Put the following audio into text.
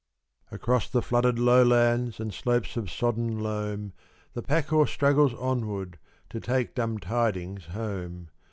Across the flooded lowlands And slopes of sodden loam, The pack horse struggles onward, To take dumb tidings home.